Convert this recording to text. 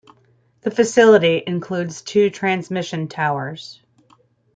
The facility includes two transmission towers.